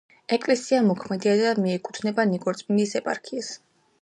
ეკლესია მოქმედია და მიეკუთვნება ნიკორწმინდის ეპარქიას.